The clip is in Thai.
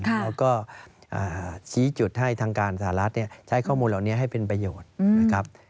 แล้วก็ชี้จุดให้ทางการสหรัฐใช้ข้อมูลเหล่านี้ให้เป็นประโยชน์นะครับ